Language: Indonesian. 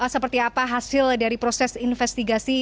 seperti apa hasil dari proses investigasi